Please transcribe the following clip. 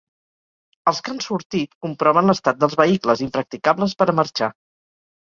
Els que han sortit, comproven l’estat dels vehicles, impracticables per a marxar.